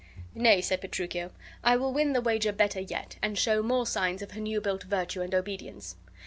"Nay," said Petruchio, "I will win the wager better yet, and show more signs of her new built virtue and obedience."